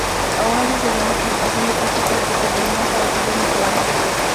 Aun así seguirán habiendo críticas que servirían para seguir mejorando.